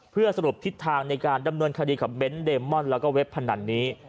เพื่อสรุปทิศทางในการดำเนินคดีกับเบนท์เดมอนแล้วก็เว็บพนันนี้